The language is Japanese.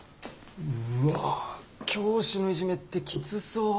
うわ教師のイジメってきつそう。